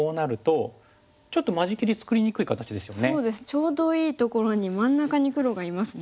ちょうどいいところに真ん中に黒がいますね。